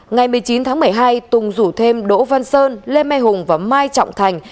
ngày một mươi chín tháng một mươi hai tùng rủ thêm đỗ văn sơn lê hùng và mai trọng thành